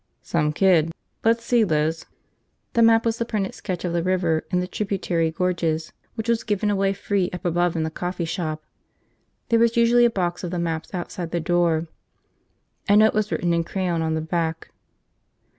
"Some kid. Let's see, Liz." The map was the printed sketch of the river and the tributary gorges which was given away free up above in the coffee shop. There was usually a box of the maps outside the door. A note was written in crayon on the back.